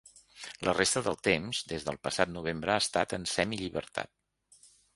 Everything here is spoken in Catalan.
La resta del temps, des del passat novembre ha estat en semillibertat.